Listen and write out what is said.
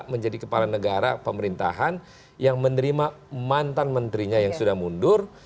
menjadi kepala negara pemerintahan yang menerima mantan menterinya yang sudah mundur